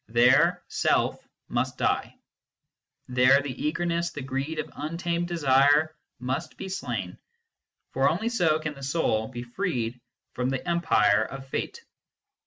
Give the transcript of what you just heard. There Self must die ; there the eagerness, the greed of untamed desire must be slain, for only so can the soul be freed from the empire of Fate.